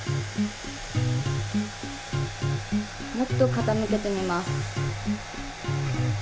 もっと傾けてみます。